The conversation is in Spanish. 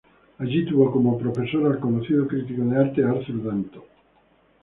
Allí tuvo como profesor al conocido crítico de arte Arthur Danto.